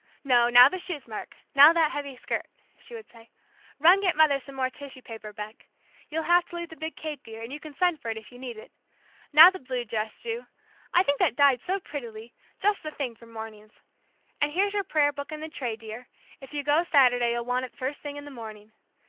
"No, now the shoes, Mark now that heavy skirt," she would say. "Run get mother some more tissue paper, Beck. You'll have to leave the big cape, dear, and you can send for it if you need it. Now the blue dress, Ju. I think that dyed so prettily, just the thing for mornings. And here's your prayer book in the tray, dear; if you go Saturday you'll want it the first thing in the morning.